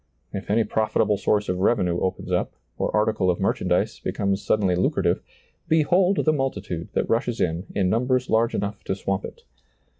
If any profit able source of revenue opens up, or article of merchandise becomes suddenly lucrative, behold the multitude that rushes in, in numbers large enough to swamp it.